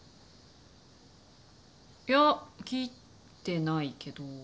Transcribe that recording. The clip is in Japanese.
いや来てないけど。